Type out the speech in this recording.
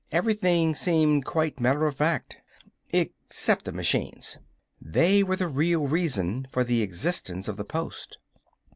Everything seemed quite matter of fact. Except for the machines. They were the real reason for the existence of the post.